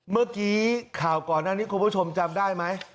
เมื่อกี้ข่าวก่อนหน้านี้คุณผู้ชมจำได้ไหม